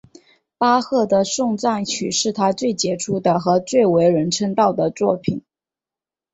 巴赫的颂赞曲是他最杰出的和最为人称道的作品。